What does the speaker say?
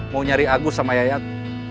mau nyari agus sama yayat